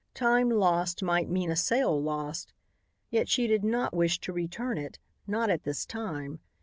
Time lost might mean a sale lost, yet she did not wish to return it, not at this time.